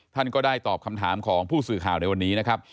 ท่านก็ได้ตอบคำถามของผู้สื่อข่าวในวันนี้นะครับ